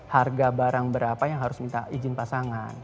harga barang berapa yang harus minta izin pasangan